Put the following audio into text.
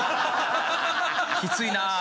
きついな。